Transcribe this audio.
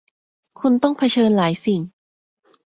คุณต้องเผชิญหลายสิ่ง